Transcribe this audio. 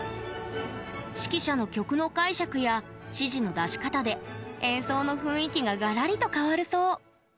指揮者の曲の解釈や指示の出し方で演奏の雰囲気ががらりと変わるそう。